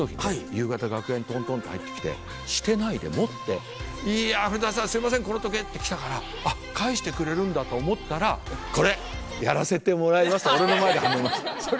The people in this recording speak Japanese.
夕方楽屋にトントンと入ってきてしてないで持って「いや古さんすいませんこの時計」って来たから返してくれるんだと思ったら「これやらせてもらいます」って俺の前ではめました。